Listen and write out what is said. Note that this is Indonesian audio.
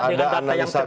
dengan data yang tertuh